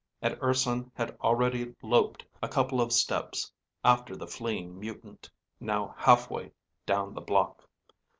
And Urson had already loped a couple of steps after the fleeting mutant, now halfway down the block.